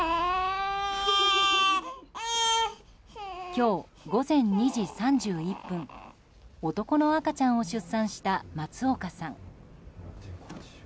今日、午前２時３１分男の赤ちゃんを出産した松岡さん。